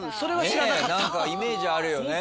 何かイメージあるよね。